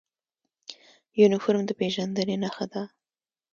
یونفورم د پیژندنې نښه ده